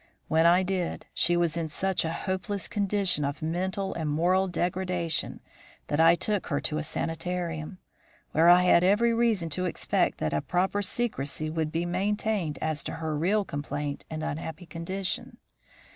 When I did, she was in such a hopeless condition of mental and moral degradation that I took her to a sanitarium, where I had every reason to expect that a proper secrecy would be maintained as to her real complaint and unhappy condition.